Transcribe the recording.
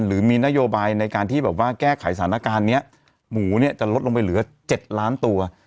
หรือมีนโยบายในการที่แบบว่าแก้ไขสถานการณ์นี้หมูเนี่ยจะลดลงไปเหลือ๗ล้านตัว